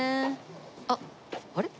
あっあれ？